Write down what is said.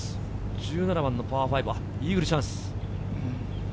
１７番のパー５、イーグルチャンス。